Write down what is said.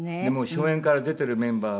初演から出てるメンバー